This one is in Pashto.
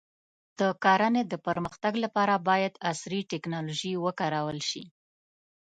د کرنې د پرمختګ لپاره باید عصري ټکنالوژي وکارول شي.